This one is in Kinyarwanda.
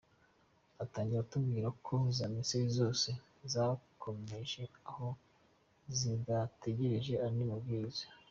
Arangiza atubwira ko za Ministere zose zakomereje aho zidategereje andi mabwiriza